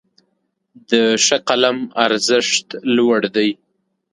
د ښه قلم ارزښت لوړ دی.